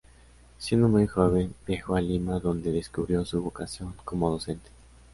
Siendo muy joven viajó a Lima donde descubrió su vocación como docente.